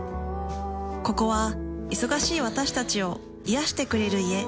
ここは忙しい私たちを癒してくれる家。